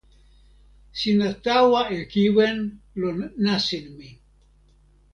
sina tawa e kiwen lon nasin mi.